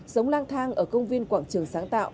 sống lang thang ở công viên quảng trường sáng tạo